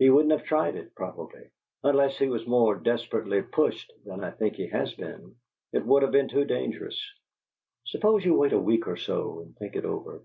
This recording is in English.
He wouldn't have tried it, probably, unless he was more desperately pushed than I think he has been. It would have been too dangerous. Suppose you wait a week or so and think it over."